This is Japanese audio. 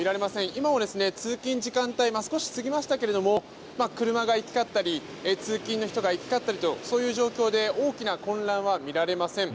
今も通勤時間帯少し過ぎましたけれども車が行き交ったり通勤の人が行き交ったりとそういう状況で大きな混乱は見られません。